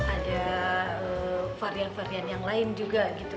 ada varian varian yang lain juga gitu